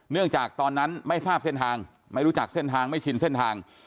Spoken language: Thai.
จากตอนนั้นไม่ทราบเส้นทางไม่รู้จักเส้นทางไม่ชินเส้นทาง